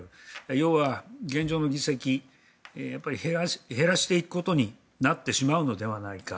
要は、現状の議席減らしていくことになってしまうのではないか。